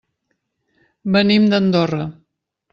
Venim d'Andorra.